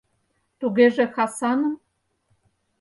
«Тугеже Хасаным?»